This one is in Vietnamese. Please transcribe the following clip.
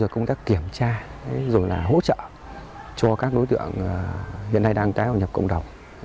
công tác kiểm tra hỗ trợ cho các đối tượng hiện nay đang tái vào nhập cộng đồng